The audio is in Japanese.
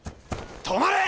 止まれ！